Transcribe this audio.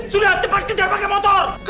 sudah cepat kejar pakai motor